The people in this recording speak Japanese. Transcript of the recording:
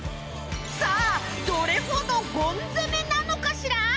さあどれほどゴン攻めなのかしら？